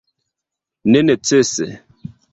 Ne necese.